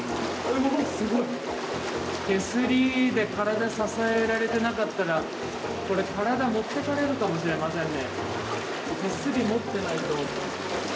手すりで体支えられてなかったらこれ、体持ってかれるかもしれませんね。